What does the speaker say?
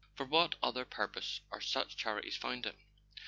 "For what other purpose are such charities founded ?